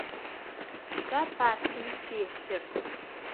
Сыда партым телъыр?